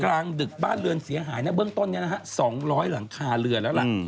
กลางดึกบ้านเรือนเสียหายนะเบื้องต้นนี้นะฮะ๒๐๐หลังคาเรือนแล้วล่ะ